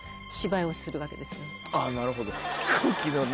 あぁなるほど。